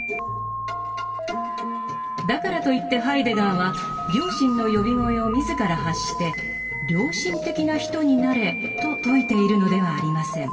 だからといってハイデガーは良心の呼び声を自ら発して「良心的な人になれ」と説いているのではありません。